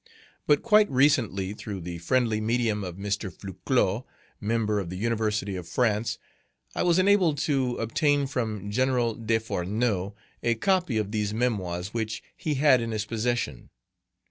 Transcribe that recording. But, quite recently, through the friendly medium of Mr. Fleutclot, member of Page vi the University of France, I was enabled to obtain from General Desfourneaux a copy of these Memoirs which he had in his possession.